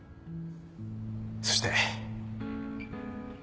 そして。